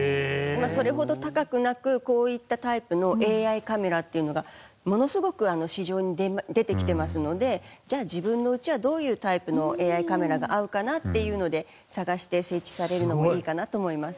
まあそれほど高くなくこういったタイプのＡＩカメラっていうのがものすごく市場に出てきてますのでじゃあ自分の家はどういうタイプのＡＩカメラが合うかなっていうので探して設置されるのもいいかなと思います。